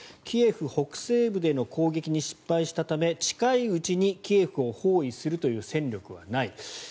キエフ北西部での攻撃に失敗したため近いうちにキエフを包囲するという戦力はない。